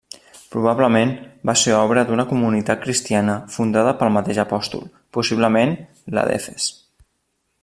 Probablement va ser obra d'una comunitat cristiana fundada pel mateix apòstol, possiblement la d'Efes.